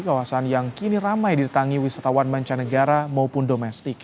kawasan yang kini ramai didatangi wisatawan mancanegara maupun domestik